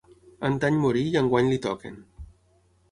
Antany morí i enguany li toquen.